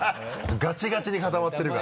ガチガチに固まってるから。